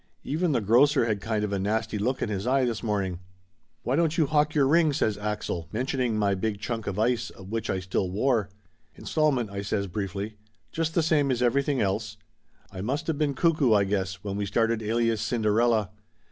Even the grocer had kind of a nasty look in his eye this morning." "Why don't you hock your ring?" says Axel, men tioning my big chunk of ice which I still wore. "Installment," I says briefly. "Just the same as everything else. I must of been cuckoo, I guess, when we started Alias Cinderella.